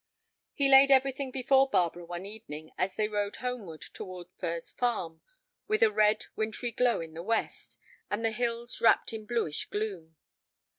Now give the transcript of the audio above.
He laid everything before Barbara one evening as they rode homeward toward Furze Farm, with a red, wintry glow in the west, and the hills wrapped in bluish gloom.